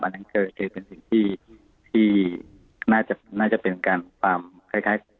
อันนั้นเกิดเกิดเป็นสิ่งที่ที่น่าจะน่าจะเป็นการความคล้ายคล้าย